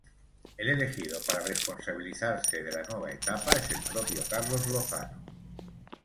El elegido para responsabilizarse de la nueva etapa es el propio Carlos Lozano.